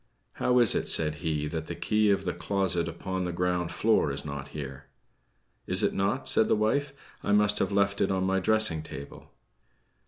"How is it," said he, "that the key of the closet upon the ground floor is not here." "Is it not?" said the wife. "I must have left it on my dressing table."